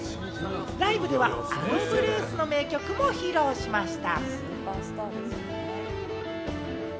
ライブではあのブルースの名曲を披露しました。